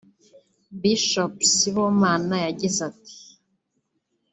Bishop Sibomana yagize ati